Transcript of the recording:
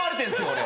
俺。